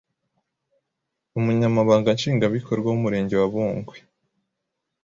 umunyamabanga nshingwabikorwa w’Umurenge wa Bungwe,